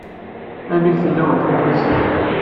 Amek tella weltma-k ass-a?